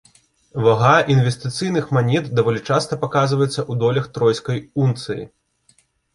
Вага інвестыцыйных манет даволі часта паказваецца ў долях тройскай унцыі.